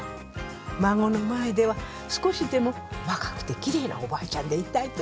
孫の前では少しでも若くて奇麗なおばあちゃんでいたいと思って。